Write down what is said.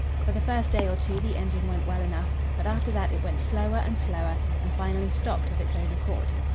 For the first day or two the engine went well enough, but after that it went slower and slower, and finally stopped of its own accord.